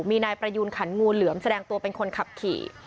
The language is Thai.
มีนายประยูนขันงูเหลือมแสดงตัวเป็นคนขับขี่